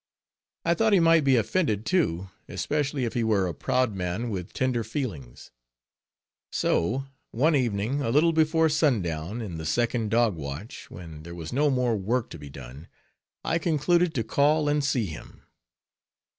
I thought he might be offended, too, especially if he were a proud man, with tender feelings. So one evening, a little before sundown, in the second dog watch, when there was no more work to be done, I concluded to call and see him.